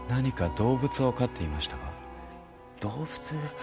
動物。